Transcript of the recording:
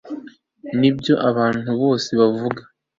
nibyo abantu bose bavuga